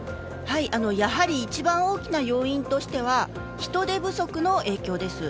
やはり一番大きな要因としては人手不足の影響です。